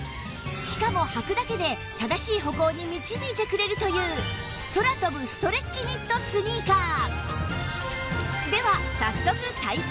しかも履くだけで正しい歩行に導いてくれるという空飛ぶストレッチニットスニーカー